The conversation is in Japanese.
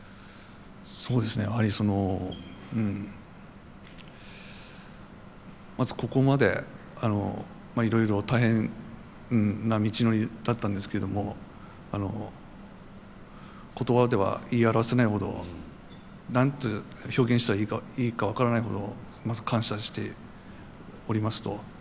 そうですねやはりそのまずここまでいろいろ大変な道のりだったんですけども言葉では言い表せないほど何て表現したらいいか分からないほどまず感謝しておりますと。